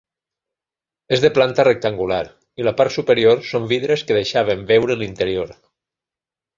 És de planta rectangular i la part superior són vidres que deixaven veure l'interior.